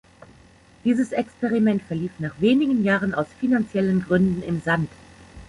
Dieses Experiment verlief nach wenigen Jahren aus finanziellen Gründen im Sand.